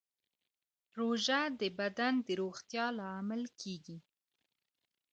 روژه د بدن د روغتیا لامل کېږي.